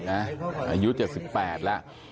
อายุ๗๘แล้ว